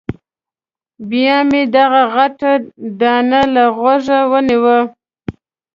بیا مې دا غټه دانه له غوږه ونیوه.